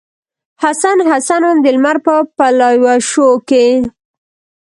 حسن ، حسن وم دلمر په پلوشو کې